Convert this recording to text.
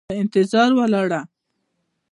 په انتظار ولاړه